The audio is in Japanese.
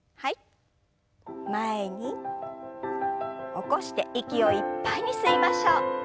起こして息をいっぱいに吸いましょう。